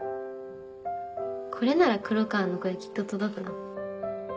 これなら黒川の声きっと届くな。